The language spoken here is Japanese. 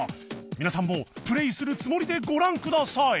皆さんもプレイするつもりでご覧ください